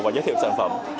và giới thiệu sản phẩm